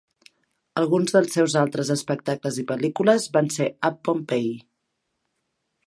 Alguns dels seus altres espectacles i pel·lícules van ser Up Pompeii!